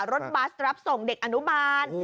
รถบัสรับส่งเด็กอนุบาล